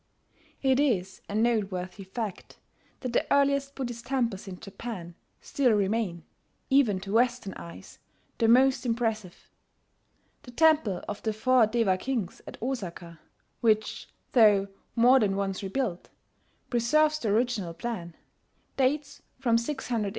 It is a noteworthy fact that the earliest Buddhist temples in Japan still remain, even to Western eyes, the most impressive. The Temple of the Four Deva Kings at Osaka which, though more than once rebuilt, preserves the original plan dates from 600 A.D.